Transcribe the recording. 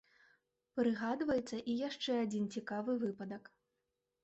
Прыгадваецца і яшчэ адзін цікавы выпадак.